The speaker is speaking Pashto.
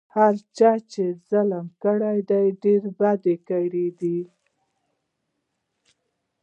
هر چا چې دا ظلم کړی ډېر بد یې کړي دي.